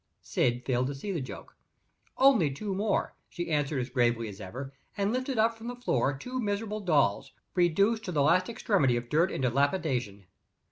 Syd failed to see the joke. "Only two more," she answered as gravely as ever and lifted up from the floor two miserable dolls, reduced to the last extremity of dirt and dilapidation.